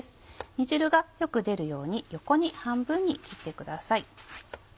煮汁がよく出るように横に半分に切ってください。